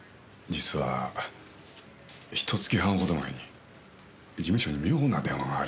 実はひと月半ほど前に事務所に妙な電話がありまして。